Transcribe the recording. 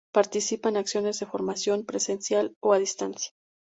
Participa en acciones de formación, presencial o a distancia.